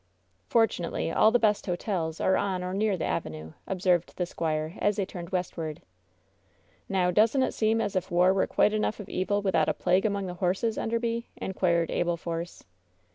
"Fortunately, all the best hotels are on or near the avenue," observed the squire, as they turned westward, "Now, doesn't it seem as if war were quite enough of evil without a plague among the horses, Enderby ?" in quired Abel Force.